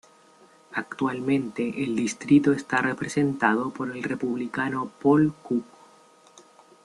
Actualmente el distrito está representado por el Republicano Paul Cook.